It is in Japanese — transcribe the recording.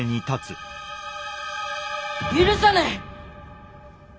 許さねえ！